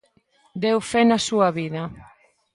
Deu fe na súa vida.